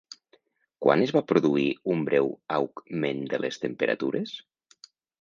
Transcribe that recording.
Quan es va produir un breu augment de les temperatures?